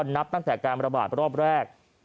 นับตั้งแต่การระบาดรอบแรก